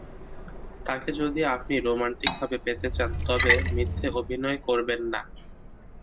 তাঁকে যদি আপনি রোমান্টিকভাবে পেতে চান তবে মিথ্যে অভিনয় করবেন না।